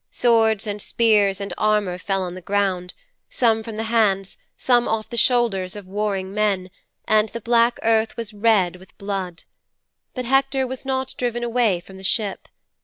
Swords and spears and armour fell on the ground, some from the hands, some off the shoulders of warring men, and the black earth was red with blood. But Hector was not driven away from the ship.